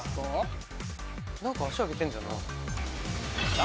何か足上げてんだよな。